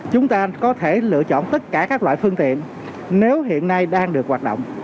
chúng ta có thể lựa chọn tất cả các loại phương tiện nếu hiện nay đang được hoạt động